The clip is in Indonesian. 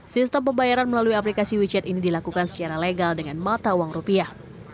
sistem pembayaran melalui aplikasi wechat ini dilakukan secara legal dengan mata uang rupiah